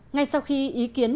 ngay sau khi ý kiến